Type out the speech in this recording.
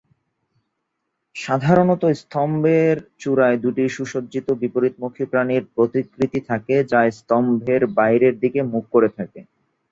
সাধারণত স্তম্ভের চূড়ায় দুটি সুসজ্জিত বিপরীতমুখী প্রাণীর প্রতিকৃতি থাকে যা স্তম্ভের বাহিরের দিকে মুখ করে থাকে।